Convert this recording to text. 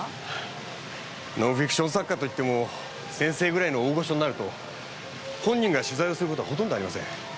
ノンフィクション作家といっても先生ぐらいの大御所になると本人が取材をする事はほとんどありません。